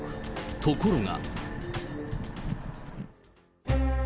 ところが。